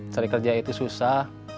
cari kerja itu susah